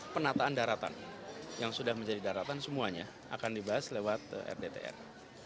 penataan daratan yang sudah menjadi daratan semuanya akan dibahas lewat rdtr